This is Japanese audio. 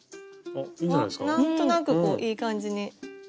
何となくこういい感じに。